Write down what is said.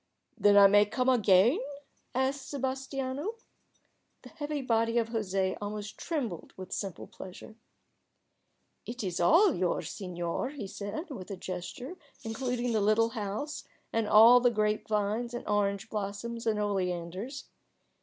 "Then I may come again?" asked Sebas tiano. The heavy body of José almost trembled with simple pleasure. "It is all yours, senor," he said, with a gesture including the little house and all the grape vines and orange blossoms and oleanders.